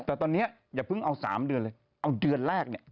แต่ตอนนี้อย่าเพิ่งเอา๓เดือนเลยเอาเดือนแรกเนี่ย